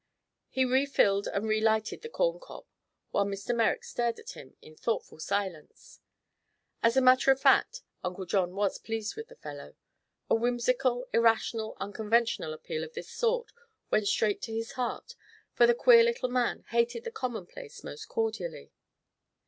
He refilled and relighted the corncob while Mr. Merrick stared at him in thoughtful silence. As a matter of fact, Uncle John was pleased with the fellow. A whimsical, irrational, unconventional appeal of this sort went straight to his heart, for the queer little man hated the commonplace most cordially.